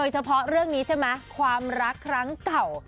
เฉพาะเรื่องนี้ใช่ไหมความรักครั้งเก่า